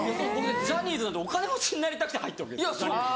ジャニーズなんてお金持ちになりたくて入ったわけですから。